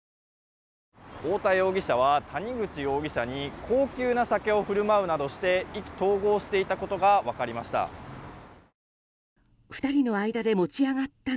太田容疑者は谷口容疑者に高級な酒を振る舞うなどして意気投合していたことが分かりました。